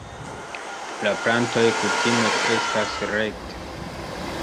La plantoj kutime kreskas rekte.